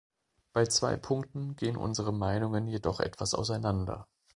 Bei zwei Punkten gehen unsere Meinungen jedoch etwas auseinander.